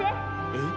えっ。